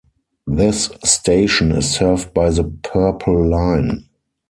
This station is served by the Purple Line.